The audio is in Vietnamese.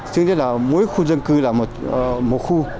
nhưng mỗi khu dân cư là một khu